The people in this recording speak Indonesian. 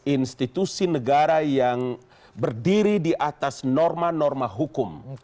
institusi negara yang berdiri di atas norma norma hukum